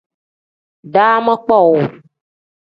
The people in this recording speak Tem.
Daama kpowuu.